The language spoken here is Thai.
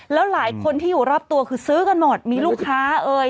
แล้วหลายคนที่อยู่รอบตัวคือซื้อกันหมดมีลูกค้าเอ่ย